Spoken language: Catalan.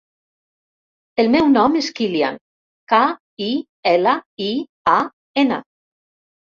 El meu nom és Kilian: ca, i, ela, i, a, ena.